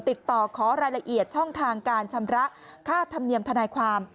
ติดต่อขอรายละเอียดช่องทางการชำระค่าธรรมเนียมทนายความ